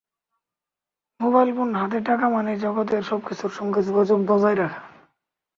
Mobile phone হাতে থাকা মানেই জগতের সবকিছুর সঙ্গে যোগাযোগ বজায় রাখা।